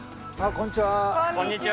こんにちは。